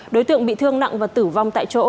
đối tượng bị thương nặng và tử vong tại chỗ